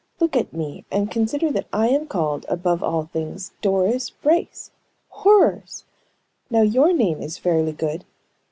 Look at me, and consider that I am called, above all things, Doris Brace! Horrors! Now, your name is fairly good.